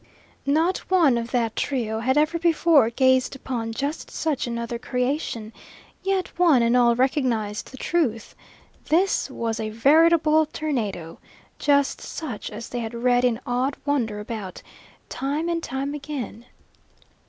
Not one of that trio had ever before gazed upon just such another creation, yet one and all recognised the truth, this was a veritable tornado, just such as they had read in awed wonder about, time and time again.